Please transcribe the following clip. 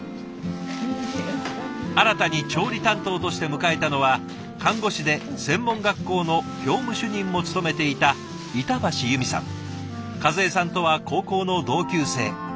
新たに調理担当として迎えたのは看護師で専門学校の教務主任も務めていた和江さんとは高校の同級生。